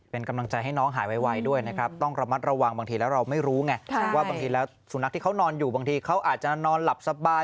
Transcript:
เป็นกำลังใจให้น้องหายไวด้วยนะครับต้องระมัดระวังบางทีแล้วเราไม่รู้ไงว่าบางทีแล้วสุนัขที่เขานอนอยู่บางทีเขาอาจจะนอนหลับสบาย